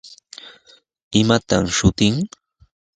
¿Imataq shutin?